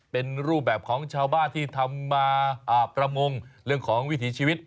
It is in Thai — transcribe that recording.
เป็นรูปแบบของชาวบ้านที่ทำมาประมงเรื่องของวิถีชีวิต